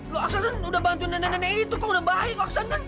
loh aksa kan udah bantuin nenek nenek itu kok udah baik aksan kan